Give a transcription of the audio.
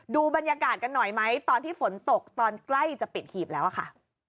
ดูบรรยากาศกันหน่อยไหมตอนที่ฝนตกตอนใกล้จะปิดหีบแล้วอะค่ะ